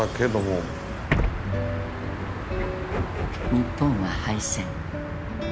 ［日本は敗戦］